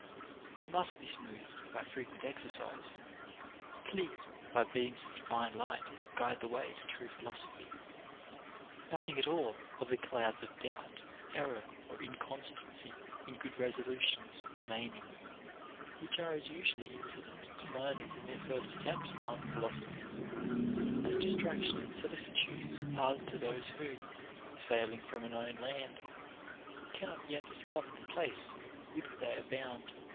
It must be smoothed by frequent exercise, cleared by beams of divine light that guide the way to true philoso phy, nothing at all of the clouds of doubt, error, or inconstancy in good resolutions remaining, which are as usually incident to learners in their first attempts upon philosophy, as distraction and solicitudes are to those who, sailing from a known land, cannot yet discover the place whither they are bound.